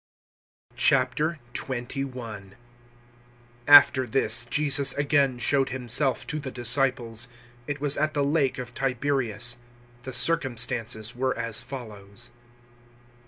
021:001 After this, Jesus again showed Himself to the disciples. It was at the Lake of Tiberias. The circumstances were as follows.